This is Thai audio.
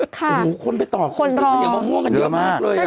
ค่ะคนรอมาเยอะมากเลยนะมีคนไปต่อคะ